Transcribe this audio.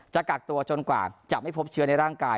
กักตัวจนกว่าจะไม่พบเชื้อในร่างกาย